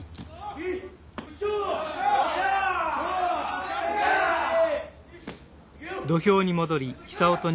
はい！